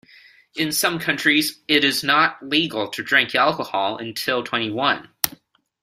In some countries it is not legal to drink alcohol until twenty-one